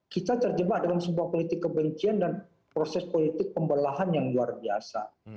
kita terjebak dalam sebuah politik kebencian dan proses politik pembelahan yang luar biasa